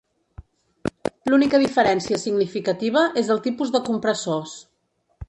L'única diferència significativa és el tipus de compressors.